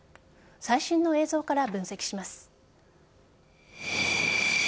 最新の映像から分析します。